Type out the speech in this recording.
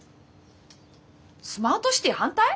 スマートシティ反対？